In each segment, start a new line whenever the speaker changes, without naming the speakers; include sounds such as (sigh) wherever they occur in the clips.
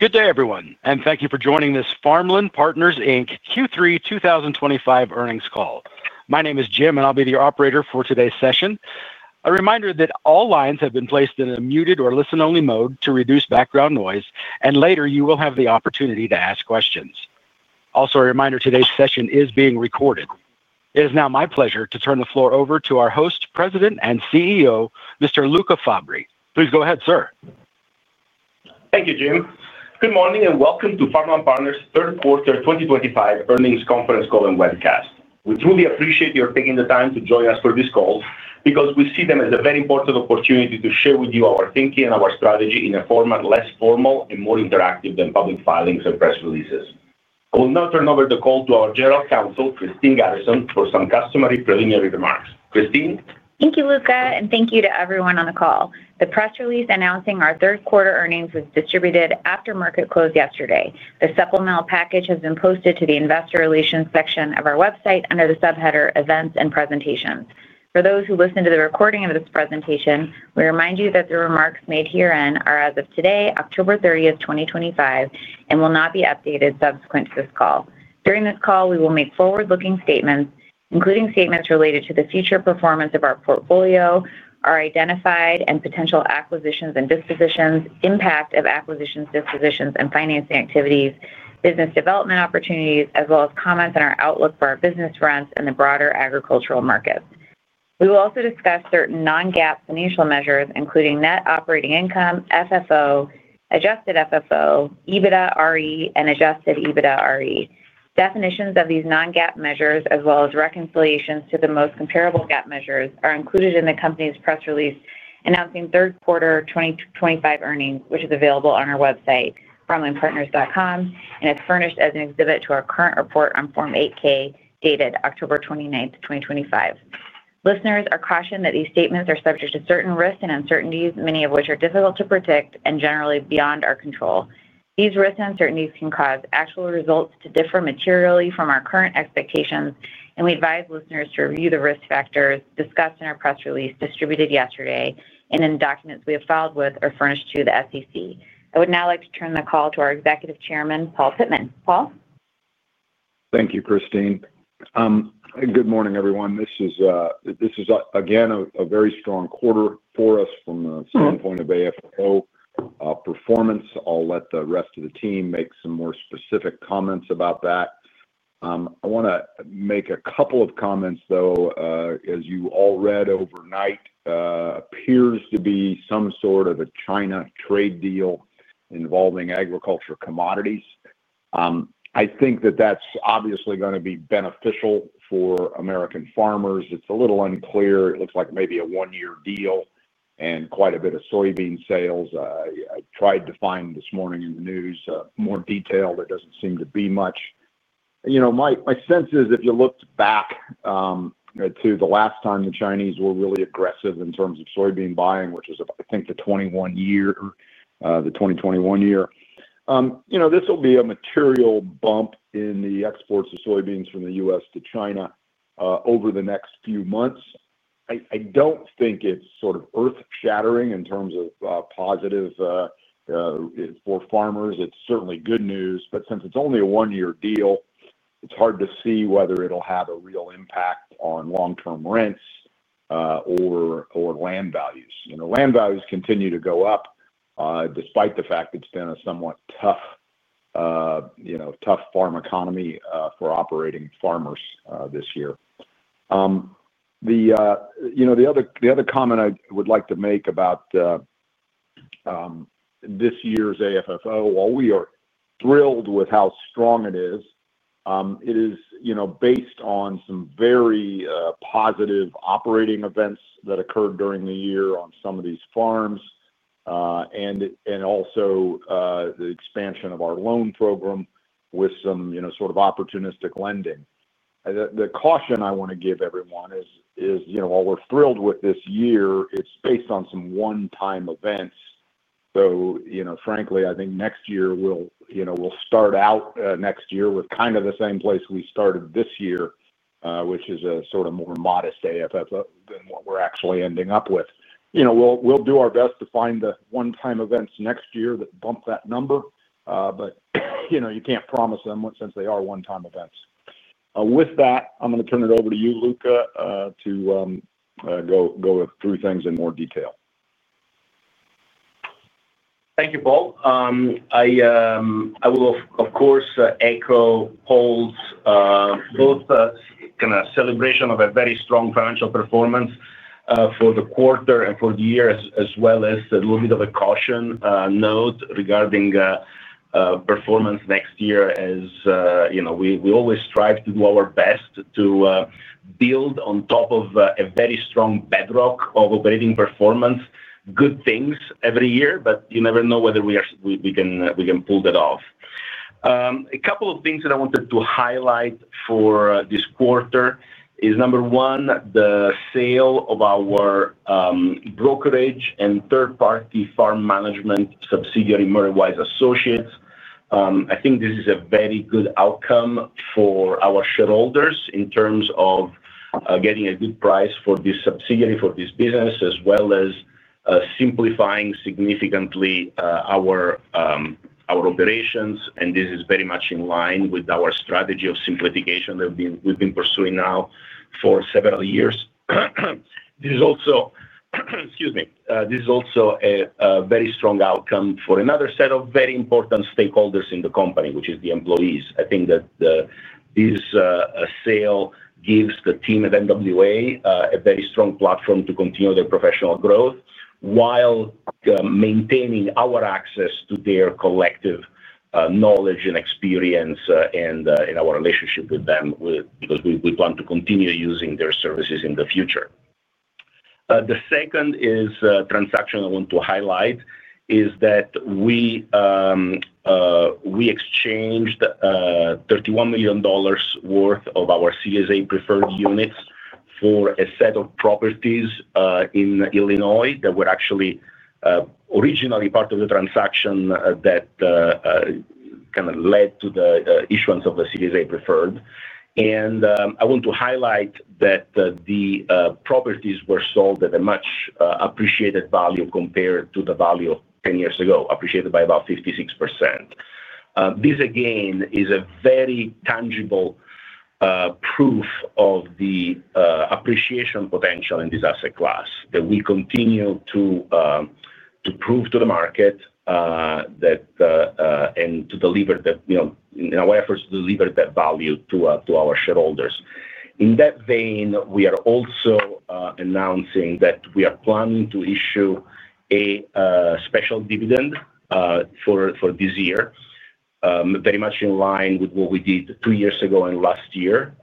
Good day everyone and thank you for joining this Farmland Partners Inc Q3 2025 Earnings Call. My name is Jim and I'll be the operator for today's session. A reminder that all lines have been placed in a muted or listen-only mode to reduce background noise and later you will have the opportunity to ask questions. Also a reminder, today's session is being recorded. It is now my pleasure to turn the floor over to our Host, President and CEO, Mr. Luca Fabbri. Please go ahead sir.
Thank you, Jim. Good morning and welcome to Farmland Partners Third Quarter 2025 Earnings Conference Call and Webcast. We truly appreciate your taking the time to join us for these calls because we see them as a very important opportunity to share with you our thinking and our strategy in a format less formal and more interactive than public filings and press releases. I will now turn over the call to our General Counsel, Christine Garrison, for some customary preliminary remarks.
Christine, thank you Luca, and thank you to everyone on the call. The press release announcing our third quarter earnings was distributed after market close yesterday. The supplemental package has been posted to the Investor Relations section of our website under the subheader Events and Presentations. For those who listen to the recording of this presentation, we remind you that the remarks made herein are as of today, October 30, 2025, and will not be updated subsequent to this call. During this call, we will make forward-looking statements, including statements related to the future performance of our portfolio, our identified and potential acquisitions and dispositions, impact of acquisitions, dispositions and financing activities, business development opportunities, as well as comments on our outlook for our business, rents, and the broader agricultural market. We will also discuss certain Non-GAAP financial measures, including Net Operating Income, FFO, adjusted FFO, EBITDAre, and Adjusted EBITDAre. Definitions of these non-GAAP measures, as well as reconciliations to the most comparable GAAP measures, are included in the company's press release announcing third quarter 2025 earnings, which is available on our website FarmlandPartners.com and is furnished as an exhibit to our current report on Form 8-K dated October 29, 2025. Listeners are cautioned that these statements are subject to certain risks and uncertainties, many of which are difficult to predict and generally beyond our control. These risks and uncertainties can cause actual results to differ materially from our current expectations, and we advise listeners to review the risk factors discussed in our press release distributed yesterday and in documents we have filed with or furnished to the SEC. I would now like to turn the call to our Executive Chairman, Paul Pittman. Paul
Thank you, Christine. Good morning everyone. This is again a very strong quarter for us from the standpoint of AFFO performance. I'll let the rest of the team make some more specific comments about that. I want to make a couple of comments though. As you all read overnight, it appears to be some sort of a U.S.-China trade deal involving agriculture commodities. I think that that's obviously going to be beneficial for American farmers. It's a little unclear. It looks like maybe a one-year deal and quite a bit of soybean sales. I tried to find this morning in the news more detail. There doesn't seem to be much. My sense is if you looked back to the last time the Chinese were really aggressive in terms of soybean buying, which is, I think, the 2021 year, this will be a material bump in the exports of soybeans from the U.S. to China over the next few months. I don't think it's sort of earth shattering in terms of positive for farmers. It's certainly good news. Since it's only a one-year deal, it's hard to see whether it'll have a real impact on long term rents or land values. Land values continue to go up despite the fact it's been a somewhat tough farm economy for operating farmers this year. The other comment I would like to make about this year's AFFO, while we are thrilled with how strong it is, it is based on some very positive operating events that occurred during the year on some of these farms and also the expansion of our loan program with some sort of opportunistic lending. The caution I want to give everyone is, while we're thrilled with this year, it's based on some one time events. Frankly, I think next year will start out next year with kind of the same place we started this year, which is a sort of more modest AFFO than what we're actually ending up with. We'll do our best to find the one-time events next year that bump that number, but you can't promise them since they are one time events. With that, I'm going to turn it over to you, Luca, to go through things in more detail.
Thank you, Paul. I will of course echo Paul's both kind of celebration of a very strong financial performance for the quarter and for the year, as well as a little bit of a caution note regarding performance next year. As you know, we always strive to do our best to build on top of a very strong bedrock of operating performance, good things every year, but you never know whether we can pull that off. A couple of things that I wanted to highlight for this quarter is, number one, the sale of our brokerage and third-party farm management subsidiary, Murray Wise Associates. I think this is a very good outcome for our shareholders in terms of getting a good price for this subsidiary, for this business, as well as simplifying significantly our operations. This is very much in line with our strategy of simplification that we've been pursuing now for several years. This is also a very strong outcome for another set of very important stakeholders in the company, which is the employees. I think that this sale gives the team at MWA a very strong platform to continue their professional growth while maintaining our access to their collective knowledge and experience and in our relationship with them because we plan to continue using their services in the future. The second transaction I want to highlight is that we exchanged $31 million worth of our Series A Preferred units for a set of properties in Illinois that were actually originally part of the transaction that kind of led to the issuance of the Series A Preferred. I want to highlight that the properties were sold at a much appreciated value compared to the value 10 years ago, appreciated by about 56%. This again is a very tangible proof of the appreciation potential in this asset class that we continue to prove to the market and to deliver that, you know, what efforts to deliver that value to our shareholders. In that vein, we are also announcing that we are planning to issue a special dividend for this year, very much in line with what we did two years ago and last year.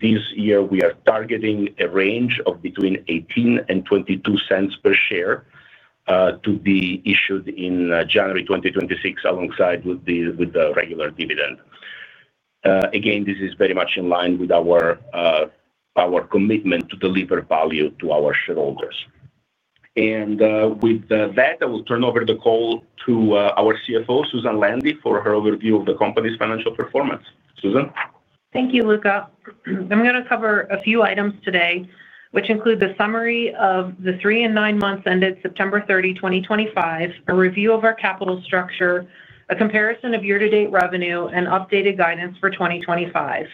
This year we are targeting a range of between $0.18 and $0.22 per share to be issued in January 2026 alongside the regular dividend. This is very much in line with our commitment to deliver value to our shareholders. With that, I will turn over the call to our CFO, Susan Landi, for her overview of the company's financial performance. Susan
Thank you, Luca. I'm going to cover a few items today which include the summary of the three and nine months ended September 30, 2025, a review of our capital structure, a comparison of year-to-date revenue, and updated guidance for 2025.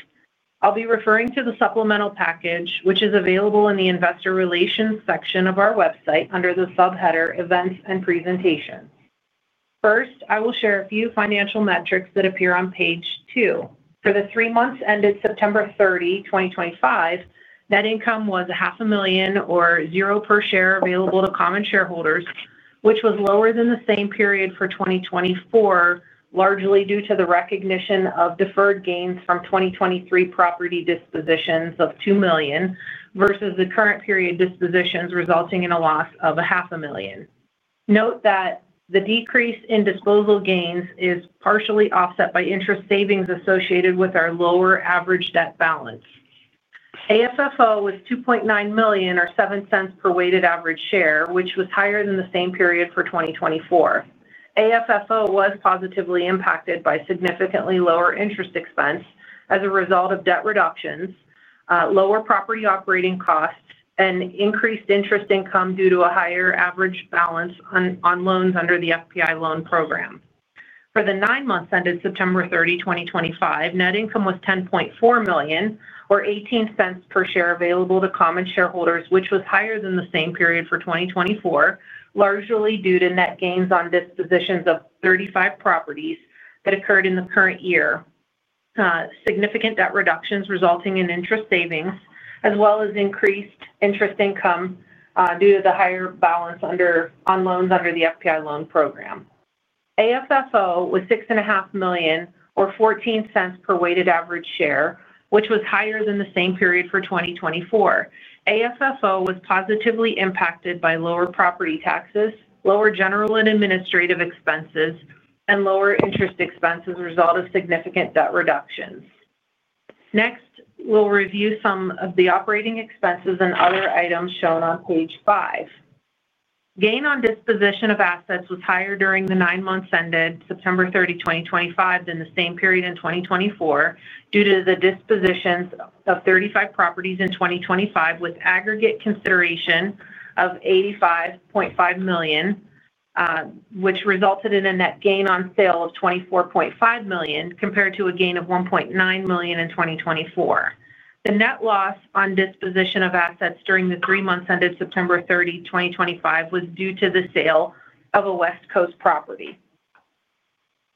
I'll be referring to the supplemental package which is available in the Investor Relations section of our website under the sub-header Events and Presentations. First, I will share a few financial metrics that appear on page two for the three months ended September 30, 2025. Net income was $0.5 million or $0.00 per share available to common shareholders, which was lower than the same period for 2024, largely due to the recognition of deferred gains from 2023 property dispositions of $2 million versus the current period dispositions resulting in a loss of $0.5 million. Note that the decrease in disposal gains is partially offset by interest savings associated with our lower average debt balance. AFFO was $2.9 million or $0.07 per weighted average share, which was higher than the same period for 2024. AFFO was positively impacted by significantly lower interest expense as a result of debt reductions, lower property operating costs, and increased interest income due to a higher average balance on loans under the FPI Loan Program. For the nine months ended September 30, 2025, net income was $10.4 million or $0.18 per share available to common shareholders, which was higher than the same period for 2024, largely due to net gains on dispositions of 35 properties that occurred in the current year. Significant debt reductions resulting in interest savings as well as increased interest income due to the higher balance on loans under the FPI Loan Program. AFFO was $6.5 million or $0.14 per weighted average share, which was higher than the same period for 2024. AFFO was positively impacted by lower property taxes, lower General and Administrative expenses, and lower Interest Expense as a result of significant debt reductions. Next, we'll review some of the Operating Expenses and other items shown on page five. Gain on disposition of assets was higher during the nine months ended September 30, 2025 than the same period in 2024 due to the dispositions of 35 properties in 2025 with aggregate consideration of $85.5 million, which resulted in a net gain on sale of $24.5 million compared to a gain of $1.9 million in 2024. The net loss on disposition of assets during the three months ended September 30, 2025, was due to the sale of a West Coast property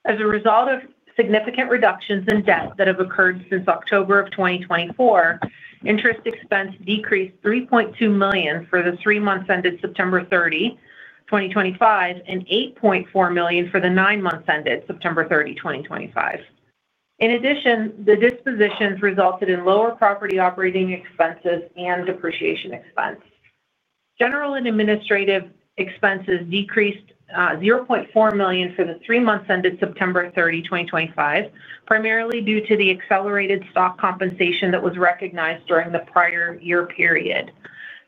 as a result of significant reductions in debt that have occurred since October of 2024. Interest expense decreased $3.2 million for the three months ended September 30, 2025, and $8.4 million for the nine months ended September 30, 2025. In addition, the dispositions resulted in lower property operating expenses and depreciation expense. General and Administrative expenses decreased $0.4 million for the three months ended September 30, 2025, primarily due to the accelerated stock compensation that was recognized during the prior year period.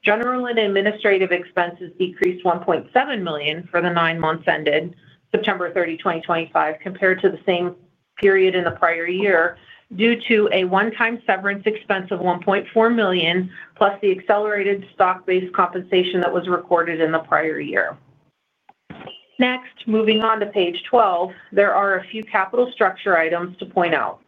General and Administrative expenses decreased $1.7 million for the nine months ended September 30, 2025, compared to the same period in the prior year due to a one-time severance expense of $1.4 million plus the accelerated stock-based compensation that was recorded in the prior year. Next, moving on to page 12, there are a few capital structure items to point out.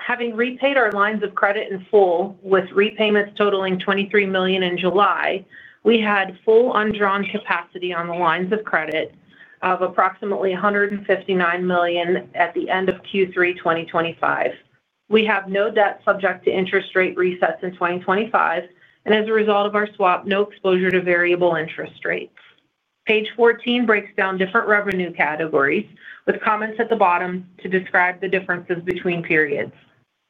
Having repaid our lines of credit in full with repayments totaling $23 million in July, we had full undrawn capacity on the lines of credit of approximately $159 million at the end of Q3 2025. We have no debt subject to interest rate resets in 2025, and as a result of our swap, no exposure to variable interest rates. Page 14 breaks down different revenue categories with comments at the bottom to describe the differences between periods.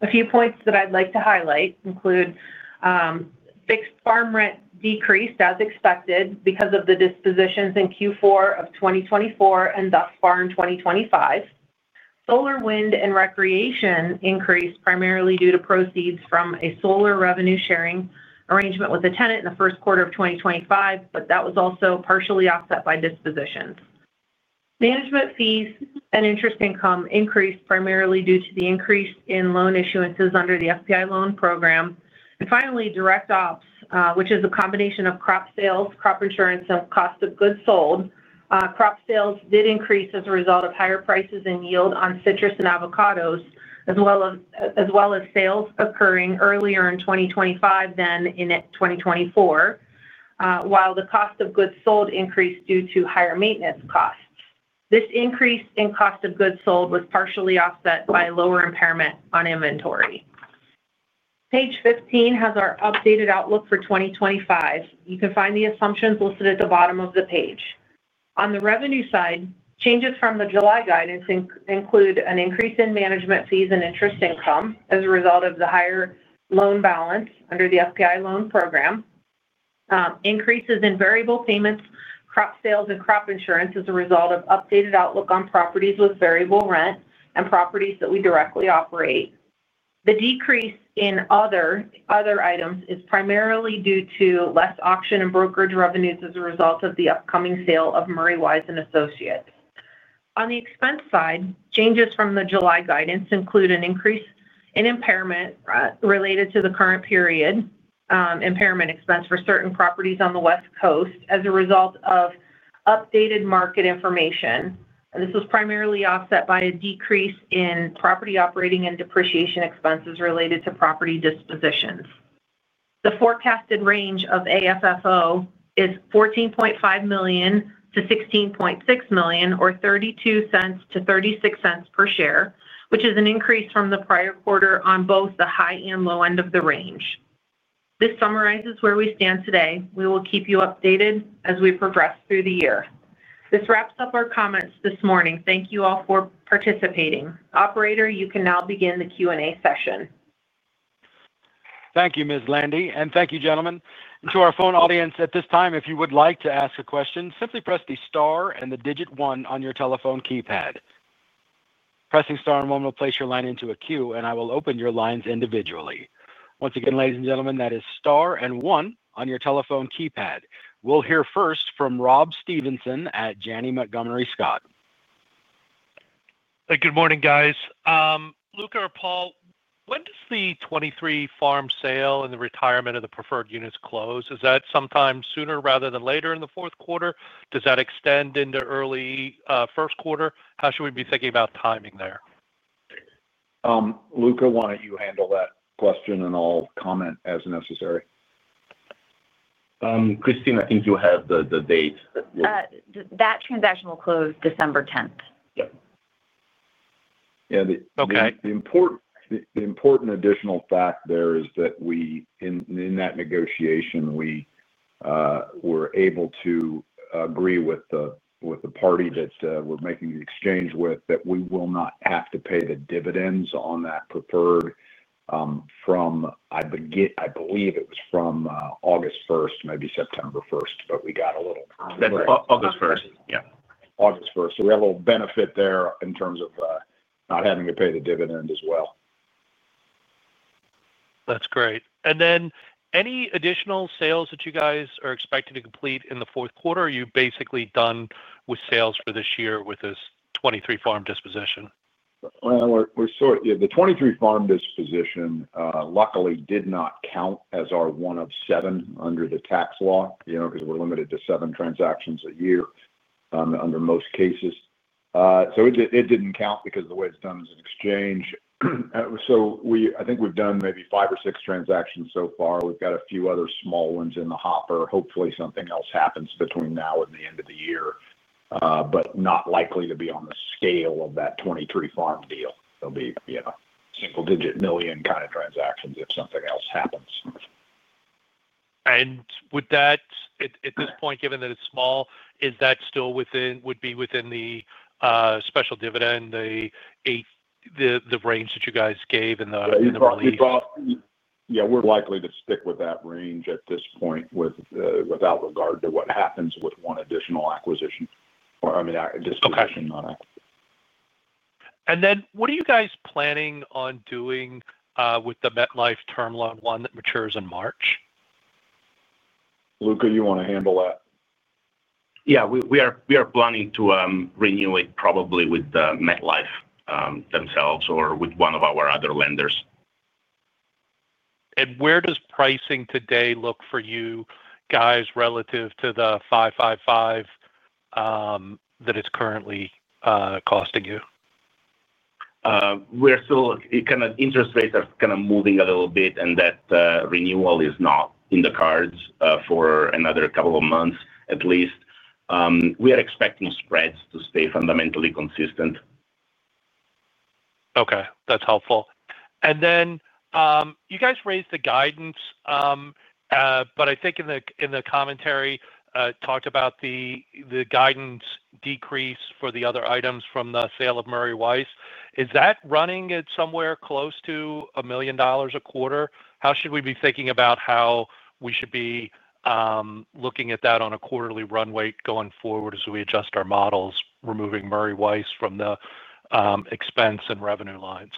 A few points that I'd like to highlight include Fixed Farm Rent decreased as expected because of the dispositions in Q4 of 2024 and thus far in 2025. Solar, Wind, and Recreation increased primarily due to proceeds from a solar revenue sharing arrangement with the tenant in the first quarter of 2025, but that was also partially offset by dispositions. Management Fees and Interest Income increased primarily due to the increase in loan issuances under the FPI Loan Program, and finally Direct Ops, which is a combination of crop sales, crop insurance, and cost of goods sold. Crop sales did increase as a result of higher prices and yield on citrus and avocados as well as sales occurring earlier in 2025 than in 2024, while the Cost of Goods Sold increased due to higher maintenance costs. This increase in Cost of Goods Sold was partially offset by lower impairment on inventory. Page 15 has our updated outlook for 2025. You can find the assumptions listed at the bottom of the page. On the revenue side, changes from the July guidance include an increase in management fees and interest income as a result of the higher loan balance under the FPI Loan Program, increases in variable payments, crop sales, and crop insurance as a result of updated outlook on properties with variable rent and properties that we directly operate. The decrease in other items is primarily due to less auction and brokerage revenues as a result of the upcoming sale of Murray Wise Associates. On the expense side, changes from the July guidance include an increase in impairment related to the current period impairment expense for certain properties on the West Coast as a result of updated market information, and this was primarily offset by a decrease in Property Operating and Depreciation Expenses related to property dispositions. The forecasted range of AFFO is $14.5 million to $16.6 million or $0.32 to $0.36 per share, which is an increase from the prior quarter on both the high and low end of the range. This summarizes where we stand today. We will keep you updated as we progress through the year. This wraps up our comments this morning. Thank you all for participating. Operator, you can now begin the Q&A session.
Thank you, Ms. Landi, and thank you, gentlemen, to our phone audience. At this time, if you would like to ask a question, simply press the star and the digit one on your telephone keypad. Pressing star and one will place your line into a queue, and I will open your lines individually. Once again, ladies and gentlemen, that is star and one on your telephone keypad. We'll hear first from Rob Stevenson at Janney Montgomery Scott.
Good morning, guys. Luca or Paul, when does the 2023 farm sale and the retirement of the Preferred Units close? Is that sometime sooner rather than later in the fourth quarter? Does that extend into early first quarter? How should we be thinking about timing there?
Luca, why don't you handle that question, and I'll comment as necessary.
Christine, I think you have the date.
That transaction will close December 10th.
Yeah.
Okay.
The important additional fact there is that in that negotiation, we were able to agree with the party that we're making the exchange with that we will not have to pay the dividends on that preferred from, I believe it was from August 1st, maybe September 1st, but we got a little.
August 1st.
Yeah, August 1st. We have a little benefit there in terms of not having to pay the dividend as well.
That's great. Any additional sales that you guys are expected to complete in the fourth quarter, or are you basically done with sales for this year with this 2023 farm disposition?
The 2023 farm disposition luckily did not count as our one of seven under the tax law, you know, because we're limited to seven transactions a year under most cases. It didn't count because of the way it's done as an exchange. I think we've done maybe five or six transactions so far. We've got a few other small ones in the hopper. Hopefully something else happens between now and the end of the year, but not likely to be on the scale of that 2023 farm deal. There'll be single-digit million kind of transactions if something else happens.
Would that at this point, given that it's small, still be within the special dividend, the range that you guys gave in the release?
Yeah, we're likely to stick with that range at this point, without regard to what happens with one additional acquisition or, I mean (audio distortion)
What are you guys planning on doing with the MetLife term loan, the one that matures in March?
Luca, you want to handle that?
Yeah, we are planning to renew it probably with MetLife themselves or with one of our other lenders.
Where does pricing today look for you guys relative to the $555 that it's currently costing you?
We're still kind of, interest rates are kind of moving a little bit. That renewal is not in the cards for another couple of months at least. We are expecting spreads to stay fundamentally consistent.
Okay, that's helpful. You guys raised the guidance. I think in the commentary you talked about the guidance decrease for the other items from the sale of Murray Wise. Is that running at somewhere close to $1 million a quarter? How should we be thinking about how we should be looking at that on a quarterly runway going forward as we adjust our models, removing Murray Wise from the expense and revenue lines?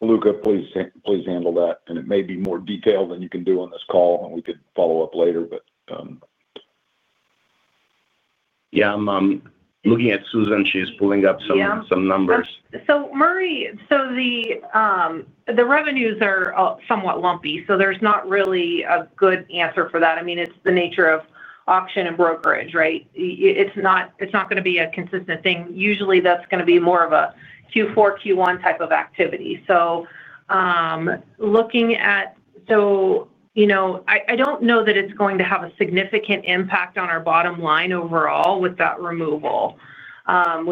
Luca, please handle that. It may be more detailed than you can do on this call, and we could follow up later.
Yeah, I'm looking at Susan. She's pulling up some numbers.
Murray. The revenues are somewhat lumpy. There's not really a good answer for that. I mean, it's the nature of auction and brokerage, right? It's not going to be a consistent thing. Usually that's going to be more of a Q4, Q1 type of activity. I don't know that it's going to have a significant impact on our bottom line overall with that removal. As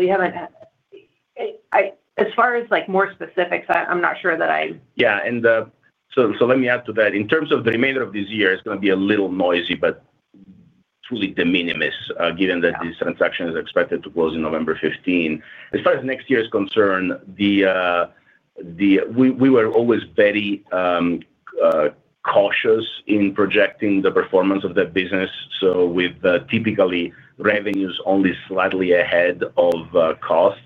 far as more specifics, I'm not sure that I—
yeah. Let me add to that in terms of the remainder of this year, it's going to be a little noisy, but truly de minimis, given that this transaction is expected to close on November 15. As far as next year is concerned, we were always very cautious in projecting the performance of that business, with typically revenues only slightly ahead of costs.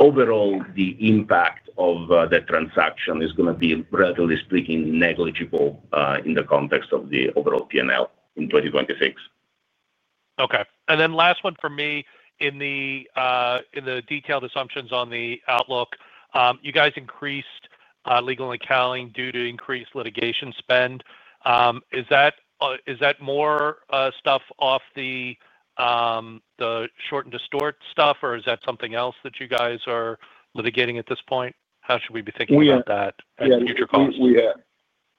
Overall, the impact of the transaction is going to be, relatively speaking, negligible in the context of the overall P&L in 2026.
Okay, and then last one for me, in the detailed assumptions on the outlook, you guys increased legal and accounting due to increased litigation spend. Is that more stuff off the short and distort stuff or is that something else that you guys are litigating at this point? How should we be thinking about that?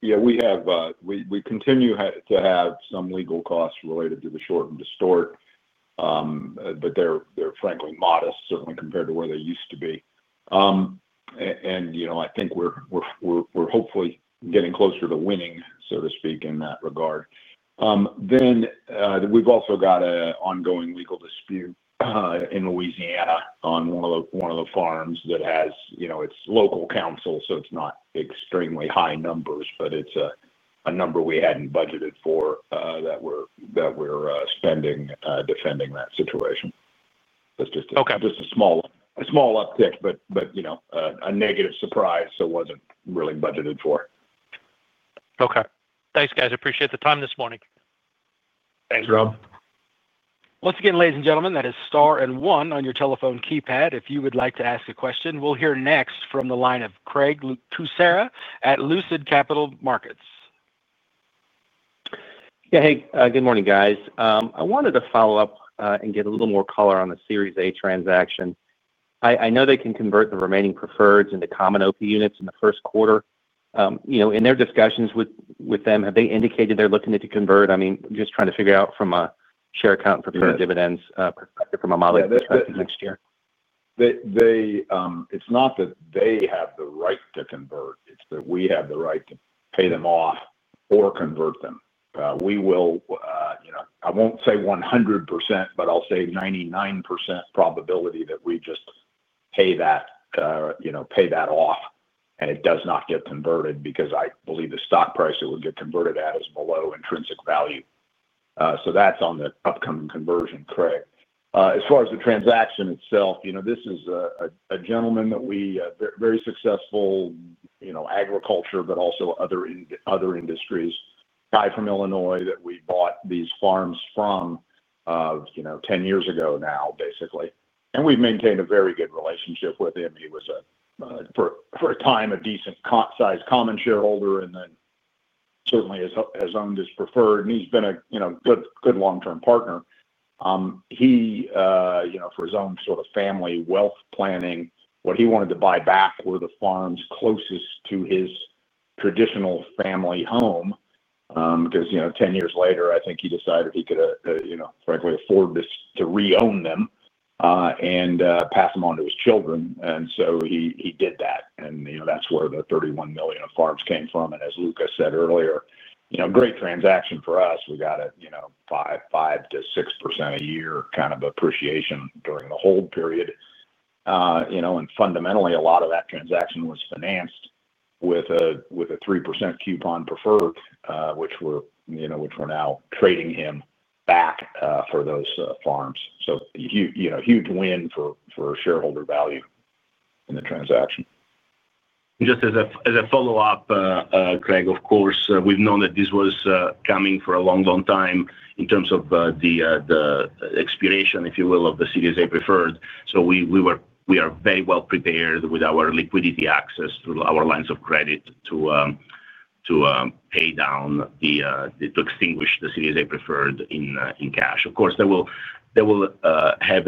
Yeah, we have, we continue to have some legal costs related to the short and distort, but they're frankly modest, certainly compared to where they used to be. You know, I think we're hopefully getting closer to winning, so to speak, in that regard. We've also got an ongoing legal dispute in Louisiana on one of the farms that has, you know, it's local counsel, so it's not extremely high numbers, but it's a number we hadn't budgeted for that we're spending defending that situation. That's just a small uptick, but, you know, a negative surprise. It wasn't really budgeted for.
Okay, thanks guys. Appreciate the time this morning.
Thanks Rob.
Once again, ladies and gentlemen, that is star and one on your telephone keypad if you would like to ask a question. We'll hear next from the line of Craig Kucera at Lucid Capital Markets.
Yeah. Hey, good morning guys. I wanted to follow up and get a little more color on the Series A transaction. I know they can convert the remaining Preferreds into Common OP Units in the first quarter. In their discussions with them, have they indicated they're looking to convert? I'm just trying to figure out from a share count, preferred dividends perspective, from a model next year.
They, it's not that they have the right to convert, it's that we have the right to pay them off or convert them. We will, you know, I won't say 100% but I'll say 99% probability that we just pay that, you know, pay that off and it does not get converted because I believe the stock price it would get converted at is below intrinsic value. That's on the upcoming conversion. Craig, as far as the transaction itself, this is a gentleman that was very successful, you know, agriculture, but also other industries guy from Illinois that we bought these farms from, you know, 10 years ago now basically and we've maintained a very good relationship with him. He was for a time a decent sized common shareholder and then certainly has owned his preferred and he's been a good, good long term partner. He, for his own sort of family wealth planning, what he wanted to buy back were the farms closest to his traditional family home because, you know, 10 years later I think he decided he could, you know, frankly afford to re-own them and pass them on to his children. He did that and, you know, that's where the $31 million of farms came from. As Luca said earlier, great transaction for us. We got it, you know, 5% to 6% a year kind of appreciation during the hold period. Fundamentally, a lot of that transaction was financed with a 3% coupon preferred, which we're now trading him back for those farms. Huge win for shareholder value in the transaction.
Just as a follow-up. Craig, of course, we've known that this was coming for a long, long time in terms of the expiration, if you will, of the Series A Preferred. We are very well prepared with our liquidity access through our lines of credit to pay down, to extinguish the Series A Preferred in cash. Of course, that will have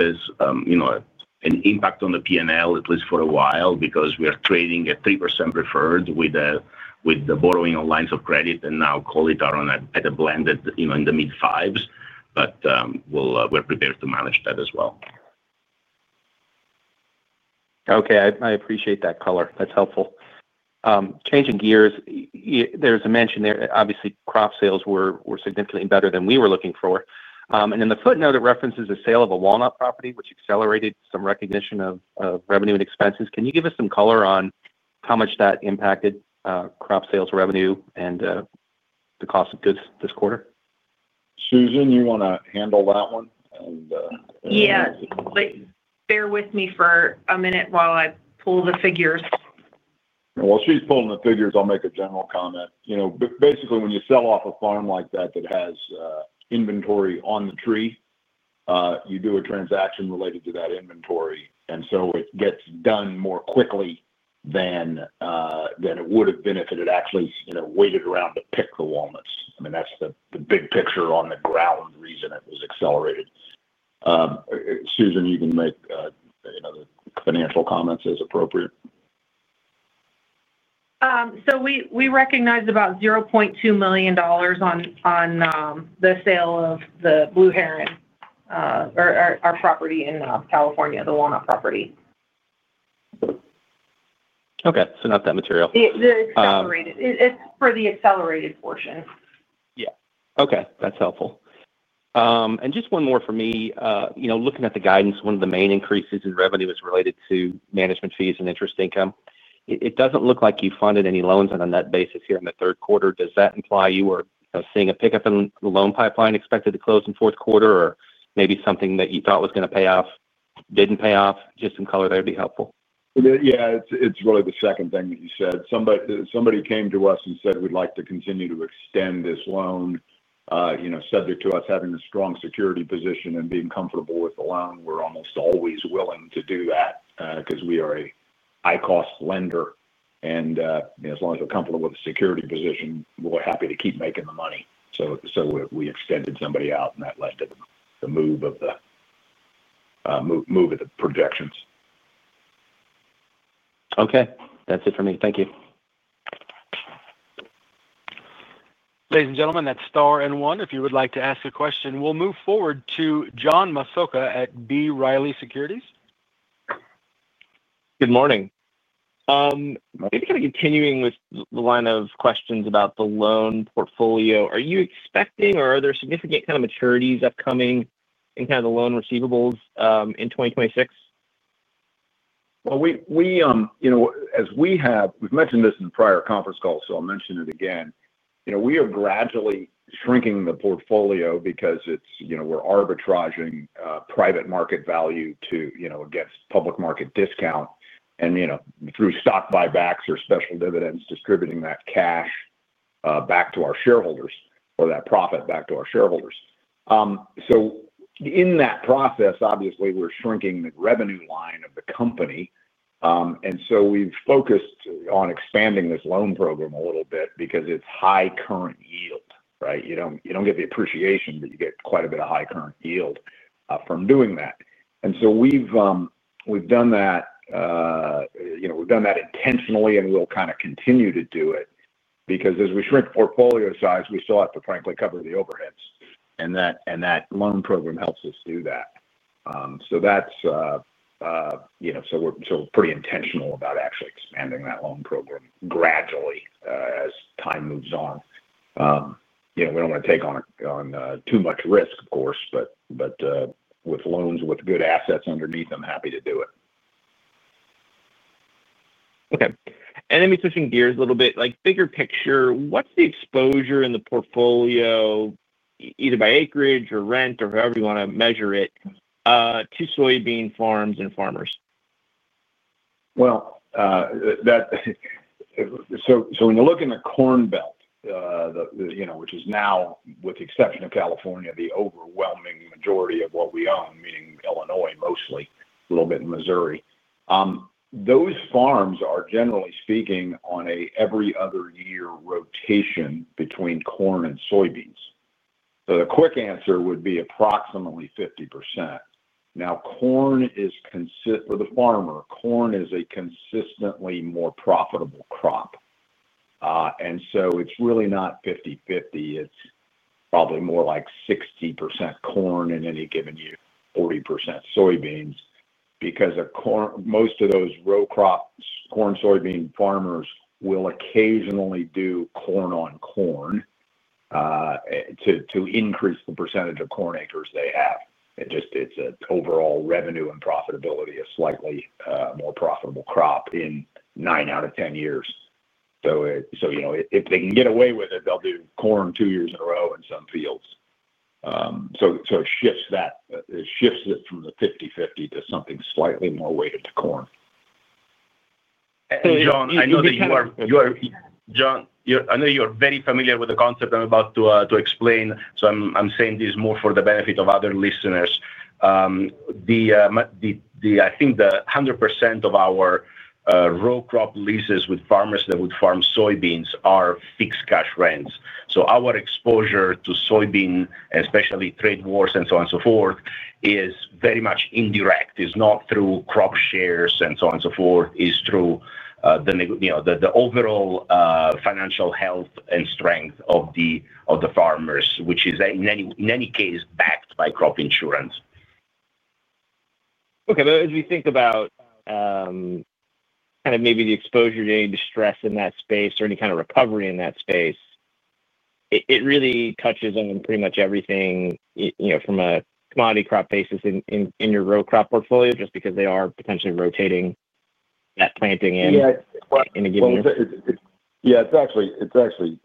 an impact on the P&L, at least for a while, because we are trading at 3% preferred with the borrowing on lines of credit and now call it at a blended in the mid 5%, but we're prepared to manage that as well.
Okay, I appreciate that. Color, that's helpful. Changing gears, there's a mention there, obviously crop sales were significantly better than we were looking for. In the footnote, it references the sale of a walnut property, which accelerated some recognition of revenue and expenses. Can you give us some color on how much that impacted crop sales, revenue, and the cost of goods this quarter?
Susan, you want to handle that one?
Yeah, bear with me for a minute while I pull the figures.
While she's pulling the figures, I'll make a general comment. Basically, when you sell off a farm like that that has inventory on the tree, you do a transaction related to that inventory, and it gets done more quickly than it would have been if it had actually waited around to pick the walnuts. That's the big picture on the ground reason it was accelerated. Susan, you can make financial comments as appropriate.
We recognized about $0.2 million on the sale of the Blue Heron, our property in California, the walnut property.
Okay, not that material.
It's for the accelerated portion.
Yeah. Okay, that's helpful. Just one more for me. You know, looking at the guidance, one of the main increases in revenue is related to management fees and interest income. It doesn't look like you funded any loans on a net basis here in the third quarter. Does that imply you were seeing a pickup in loan pipeline expected to close in fourth quarter? Maybe something that you thought was going to pay off didn't pay off, just in color? That'd be helpful.
Yeah. It's really the second thing that you said. Somebody came to us and said we'd like to continue to extend this loan. Subject to us having a strong security position and being comfortable with the loan, we're almost always willing to do that because we are a high cost lender. As long as we're comfortable with the security position, we're happy to keep making the money. We extended somebody out and that led to the move of the projections.
Okay, that's it for me. Thank you.
Ladies and gentlemen. That's star and one. If you would like to ask a question, we'll move forward to John Massocca at B. Riley Securities.
Good morning. Maybe kind of continuing with the line of questions about the loan portfolio. Are you expecting or are there significant kind of maturities upcoming in kind of the loan receivables in 2026?
As we have mentioned this in prior conference calls, I'll mention it again. We are gradually shrinking the portfolio because we're arbitraging private market value against public market discount and, through stock buybacks or special dividends, distributing that cash back to our shareholders or that profit back to our shareholders. In that process, obviously we're shrinking the revenue line of the company. We've focused on expanding this loan program a little bit because it's high current yield, right? You don't get the appreciation, but you get quite a bit of high current yield from doing that. We've done that intentionally and we'll kind of continue to do it because as we shrink portfolio size, we still have to frankly cover the overheads and that loan program helps us do that. We're pretty intentional about actually expanding that loan program gradually as time moves on. We don't want to take on too much risk, of course, but with loans with good assets underneath, I'm happy to do it.
Okay, let me switch gears a little bit, like bigger picture. What's the exposure in the portfolio either by acreage or rent or however you want to measure it, to soybean farms and farmers?
When you look in the Corn Belt, which is now, with the exception of California, the overwhelming majority of what we own, meaning Illinois mostly, a little bit in Missouri, those farms are generally speaking on an every-other-year rotation between corn and soybeans. The quick answer would be approximately 50%. Now, corn is consistent for the farmer. Corn is a consistently more profitable crop, and so it's really not 50/50. It's probably more like 60% corn in any given year, 40% soybeans, because most of those row crop corn, soybean farmers will occasionally do corn on corn to increase the percentage of corn acres they have. It just, it's overall revenue and profitability. A slightly more profitable crop in nine out of ten years. If they can get away with it, they'll do corn two years in a row in some fields. It shifts that, it shifts it from the 50/50 to something slightly more weighted to corn.
I know that you are, you are John, I know you are very familiar with the concept I'm about to explain. I'm saying this more for the benefit of other listeners. The I think 100% of our row crop leases with farmers that would farm soybeans are fixed cash rent leases. Our exposure to soybean, especially trade wars and so on and so forth, is very much indirect. It is not through crop shares and so on and so forth; it is through the overall financial health and strength of the farmers, which is in any case backed by crop insurance.
Okay. As we think about kind of maybe the exposure to any distress in that space or any kind of recovery in that space, it really touches on pretty much everything, you know, from a commodity crop basis in your row crop portfolio, just because they are potentially rotating that planting in a given year.
Yeah, it's actually, it's actually.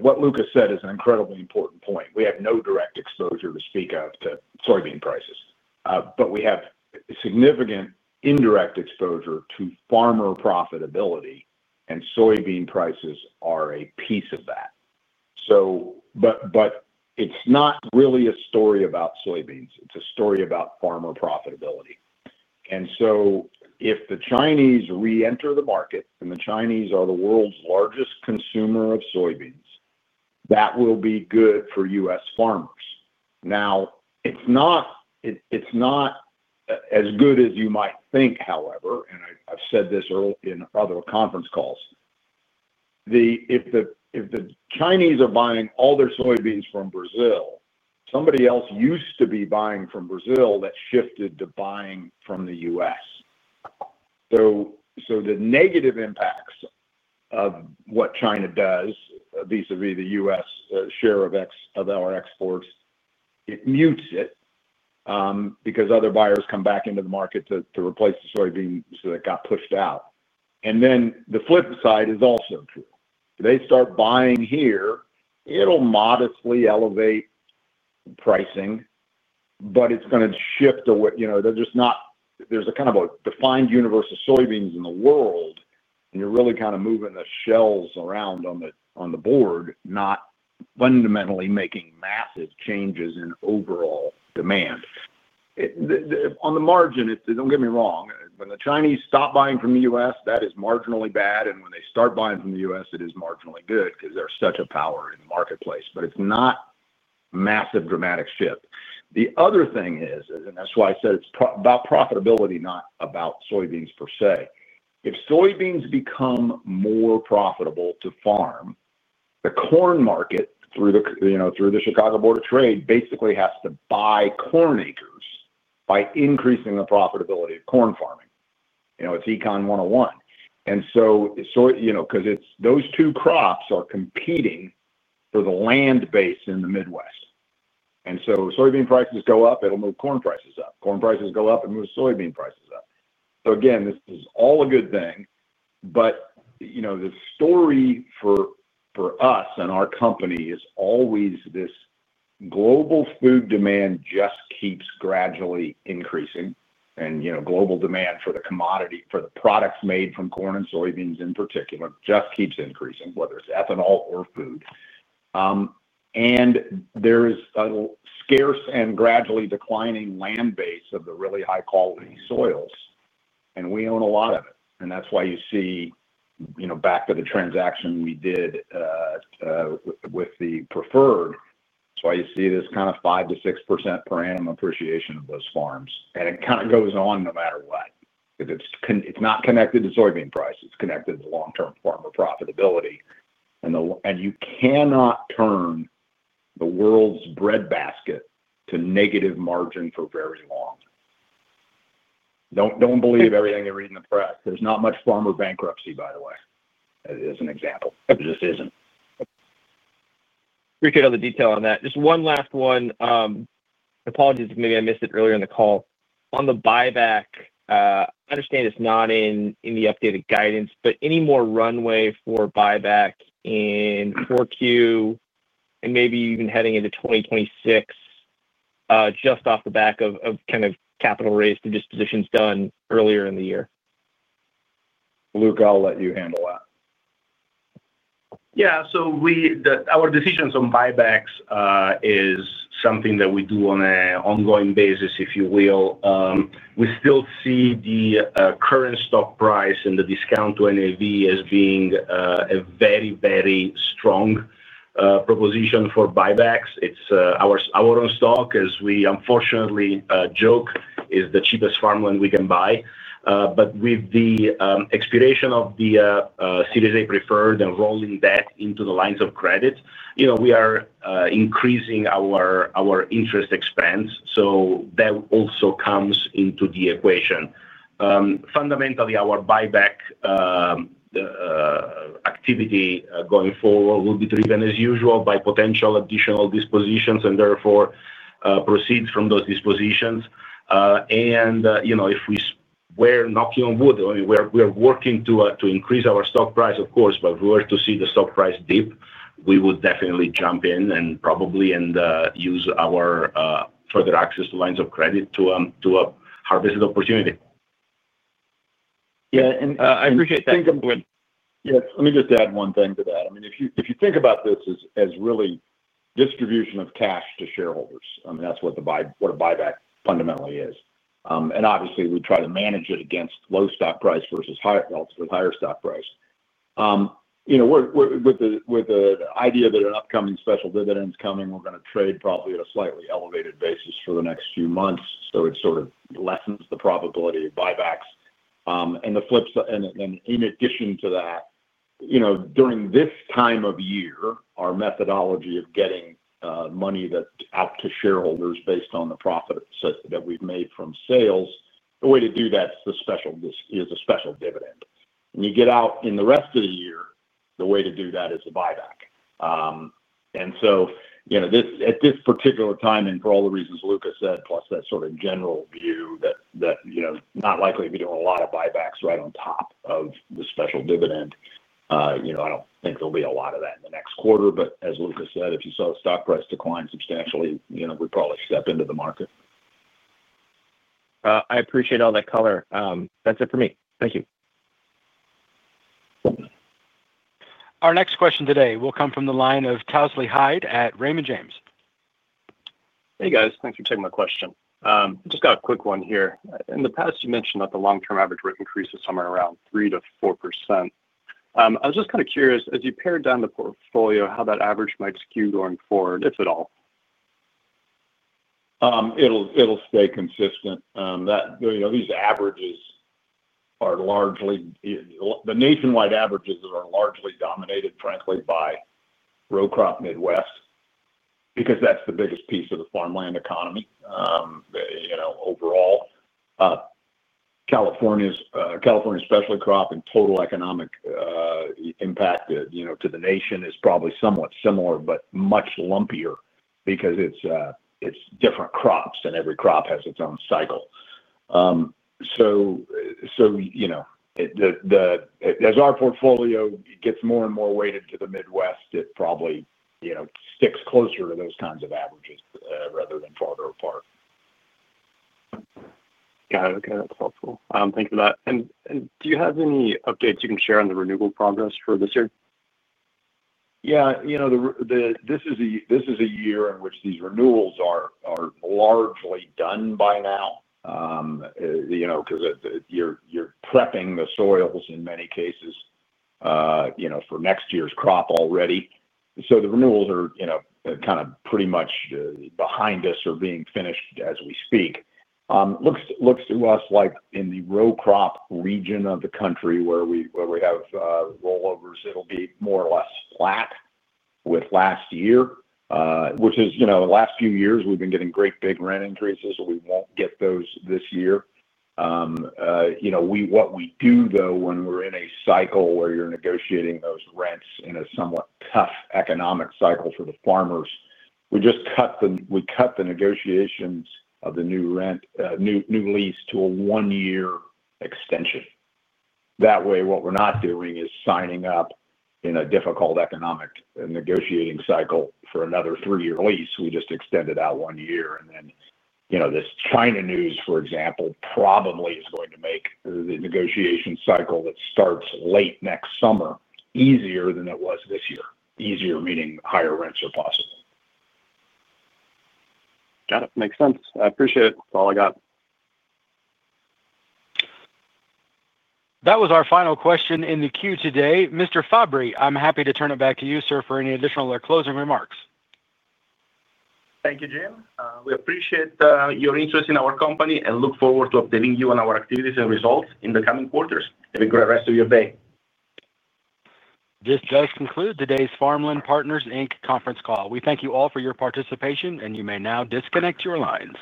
What Luca said is an incredibly important point. We have no direct exposure to speak of to soybean prices, but we have significant indirect exposure to farmer profitability. Soybean prices are a piece of that, but it's not really a story about soybeans. It's a story about farmer profitability. If the Chinese re-enter the market, and the Chinese are the world's largest consumer of soybeans, that will be good for U.S. farmers. It's not as good as you might think, however, and I've said this in other conference calls. If the Chinese are buying all their soybeans from Brazil, somebody else used to be buying from Brazil that shifted to buying from the U.S. The negative impacts of what China does vis-à-vis the U.S. share of our exports, it mutes it because other buyers come back into the market to replace the soybean that got pushed out. The flip side is also true. They start buying here, it'll modestly elevate pricing, but it's going to shift away. There's a kind of a defined universe of soybeans in the world and you're really kind of moving the shells around on the board, not fundamentally making massive changes in overall demand on the margin. Don't get me wrong, when the Chinese stop buying from the U.S. that is marginally bad, and when they start buying from the U.S. it is marginally good because they're such a power in the marketplace. It's not a massive, dramatic shift. The other thing is, and that's why I said it's about profitability, not about soybeans per se. If soybeans become more profitable to farm, the corn market through the Chicago Board of Trade basically has to buy corn acres by increasing the profitability of corn farming. It's Econ101. Because those two crops are competing for the land base in the Midwest, soybean prices go up, it'll move corn prices up. Corn prices go up and move soybean prices up. This is all a good thing. The story for us and our company is always this: global food demand just keeps gradually increasing and global demand for the commodity, for the products made from corn and soybeans in particular, just keeps increasing, whether it's ethanol or food. There is a scarce and gradually declining land base of the really high-quality soils, and we own a lot of it. That's why you see, back to the transaction we did with the Preferred, this kind of 5% to 6% per annum appreciation of those farms, and it kind of goes on no matter what because it's not connected to soybean price, it's connected to long-term farmer profitability. You cannot turn the world's breadbasket to negative margin for very long. Don't believe everything they read in the press. There's not much farmer bankruptcy, by the way, as an example, just isn't
Appreciate the detail on that. Just one last one. Apologies, maybe I missed it earlier in the call on the buyback. I understand it's not in the updated guidance, but any more runway for buyback in 4Q and maybe even heading into 2026 just off the back of kind of capital raised positions done earlier in the year.
Luca, I'll let you handle that.
Yeah. Our decisions on buybacks is something that we do on an ongoing basis. If we still see the current stock price and the discount to NAV as being a very, very strong proposition for buybacks, it's our own stock, as we unfortunately joke, is the cheapest farmland we can buy. With the expiration of the Series A Preferred and rolling debt into the lines of credit, we are increasing our interest expense. That also comes into the equation. Fundamentally, our buyback activity going forward will be driven as usual by potential additional dispositions and therefore proceeds from those dispositions. We are working to increase our stock price, of course, but if we were to see the stock price dip, we would definitely jump in and probably use our further access to lines of credit to harvest that opportunity.
Yeah, I appreciate that.
Yes. Let me just add one thing to that. I mean, if you think about this as really distribution of cash to shareholders, that's what a buyback fundamentally is. Obviously, we try to manage it against low stock price versus relatively higher stock price. With the idea that an upcoming special dividend is coming, we're going to trade probably at a slightly elevated basis for the next few months. It sort of lessens the probability of buybacks. In addition to that, during this time of year, our methodology of getting money out to shareholders based on the profits that we've made from sales, the way to do that is a special dividend. When you get out in the rest of the year, the way to do that is a buyback. At this particular time and for all the reasons Luca said, plus that sort of general view that it's not likely to be doing a lot of buybacks right on top of the special dividend, I don't think there'll be a lot of that in the next quarter. As Luca said, if you saw the stock price decline substantially, we probably step into the market.
I appreciate all that color. That's it for me. Thank you.
Our next question today will come from the line of Tousley Hyde at Raymond James.
Hey guys, thanks for taking my question. Just got a quick one here. In the past you mentioned that the long-term average increase is somewhere around 3% to 4%. I was just curious. As you pare down the portfolio, how is that average might skew going forward, if at all.
It'll stay consistent that, you know, these averages are largely, the nationwide averages are largely dominated frankly by Row Crop Midwest because that's the biggest piece of the farmland economy. You know, overall, California's, California's especially crop and total economic impact to the nation is probably somewhat similar, but much lumpier because it's different crops and every crop has its own cycle. As our portfolio gets more and more weighted to the Midwest, it probably sticks closer to those kinds of averages rather than farther apart.
Got it. Okay, that's helpful.
Thanks for that. Do you have any updates? Can you share on the renewal progress for this year?
Yeah, you know, this is a year in which these renewals are largely done by now, because you're prepping the soils in many cases for next year's crop already. The renewals are pretty much behind us or being finished as we speak. Looks to us like in the row crop region of the country where we have rollovers, it'll be more or less flat with last year, which is, you know, last few years we've been getting great big rent increases. We won't get those this year. What we do though, when we're in a cycle where you're negotiating those rents in a somewhat tough economic cycle for the farmers, we just cut them. We cut the negotiations of the new rent, new lease to a one year extension. That way what we're not doing is signing up in a difficult economic negotiating cycle for another three-year lease. We just extended out one year. You know, this China news, for example, probably is going to make the negotiation cycle that starts late next summer easier than it was this year. Easier meaning higher rents are possible.
Got it. Makes sense. I appreciate it. That's all I got.
That was our final question in the queue today. Mr. Fabbri, I'm happy to turn it back to you, sir, for any additional or closing remarks.
Thank you, Jim. We appreciate your interest in our company and look forward to updating you on our activities and results in the coming quarters. Have a great rest of your day.
This does conclude today's Farmland Partners Inc conference call. We thank you all for your participation, and you may now disconnect your lines.